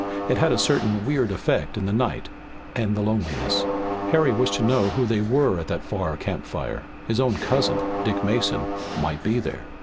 It had a certain weird effect in the night and the loneliness. Harry wished to know who they were at that far campfire. His own cousin, Dick Mason, might be there.